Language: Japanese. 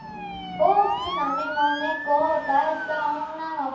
大きな目の猫を抱いた女の子？